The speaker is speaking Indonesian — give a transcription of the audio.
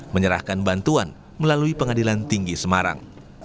menyerahkan bantuan melalui pengadilan tinggi semarang